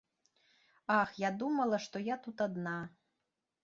Ах, я думала, што я тут адна.